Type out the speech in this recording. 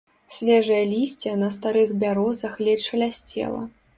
Свежае лісце на старых бярозах ледзь шалясцела.